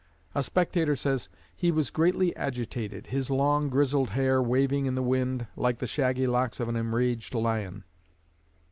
'_ A spectator says: 'He was greatly agitated, his long grizzled hair waving in the wind, like the shaggy locks of an enraged lion.'